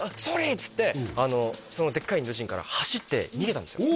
っつってそのでっかいインド人から走って逃げたんですよ